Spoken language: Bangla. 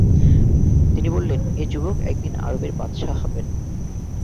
তিনি বললেন, এ যুবক একদিন আরবের বাদশাহ হবেন।